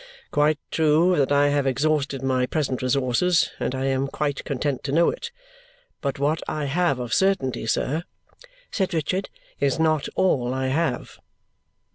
"Quite true that I have exhausted my present resources, and I am quite content to know it. But what I have of certainty, sir," said Richard, "is not all I have."